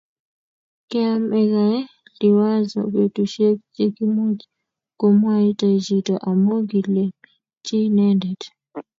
Kiamekei Liwazo betusiek che kiimuch komwaitae chito amu kilelchi inendet